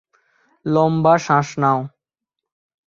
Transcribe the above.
লম্বা শ্বাস নাও।